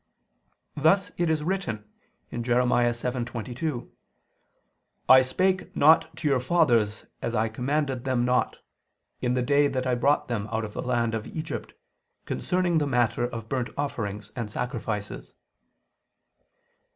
Thus it is written (Jer. 7:22): "I spake not to your fathers and I commanded them not, in the day that I brought them out of the land of Egypt, concerning the matter of burnt offerings and sacrifices."